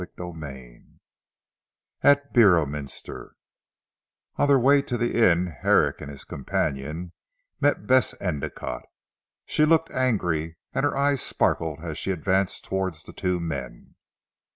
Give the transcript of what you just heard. CHAPTER IV AT BEORMINSTER On their way to the inn, Herrick and his companion, met Bess Endicotte. She looked angry and her eyes sparkled as she advanced towards the two men.